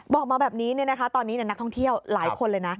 บอกมาแบบนี้ตอนนี้นักท่องเที่ยวหลายคนเลยนะ